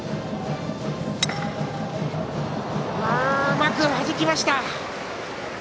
うまくはじきました。